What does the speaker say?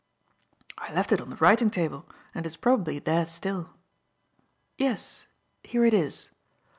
"I left it on the writing table, and it is probably there still. Yes, here it is."